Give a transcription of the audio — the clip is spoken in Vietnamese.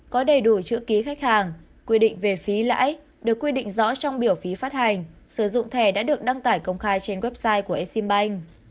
có đầy đủ chữ ký khách hàng quy định về phí lãi được quy định rõ trong biểu phí phát hành sử dụng thẻ đã được đăng tải công khai trên website của exim bank